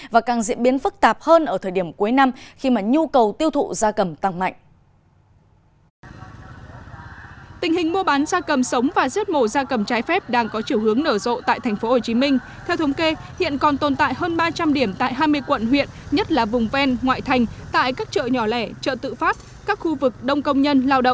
và càng diễn biến phức tạp hơn ở thời điểm cuối năm khi nhu cầu tiêu thụ gia cầm tăng mạnh